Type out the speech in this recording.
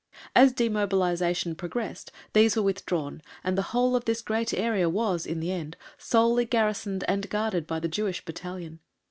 As demobilization progressed these were withdrawn and the whole of this great area was, in the end, solely garrisoned and guarded by the Jewish Battalion.